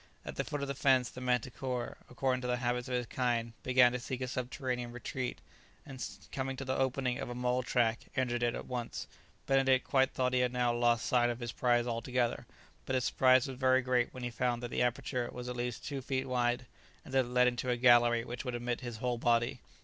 At the foot of the fence the manticora, according to the habits of its kind, began to seek a subterranean retreat, and coming to the opening of a mole track entered it at once. Benedict quite thought he had now lost sight of his prize altogether, but his surprise was very great when he found that the aperture was at least two feet wide, and that it led into a gallery which would admit his whole body.